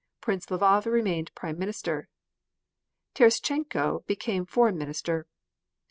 Prince Lvov remained Prime Minister. Terestchenko became Foreign Minister.